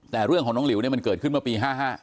แต่เรื่องของน้องหลิวเนี่ยมันเกิดขึ้นเมื่อปี๕๕